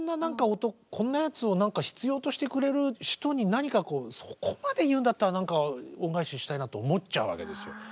こんなやつを何か必要としてくれる人に何かこうそこまで言うんだったら何か恩返ししたいなと思っちゃうわけですよ。